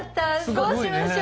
どうしましょう。